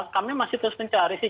kami masih terus mencari sih